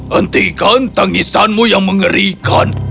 hentikan tangisanmu yang mengerikan